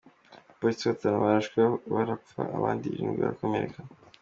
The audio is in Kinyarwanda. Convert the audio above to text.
Abapolisi batanu bararashwe barapfa abandi indwi barakomereka.